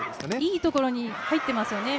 いいところに入ってますよね。